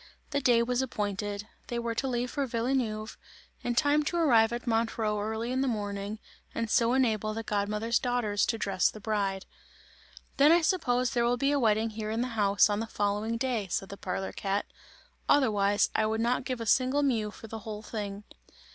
The day was appointed. They were to leave for Villeneuve, in time to arrive at Montreux early in the morning, and so enable the god mother's daughters to dress the bride. "Then I suppose there will be a wedding here in the house, on the following day," said the parlour cat, "otherwise, I would not give a single mew for the whole thing!"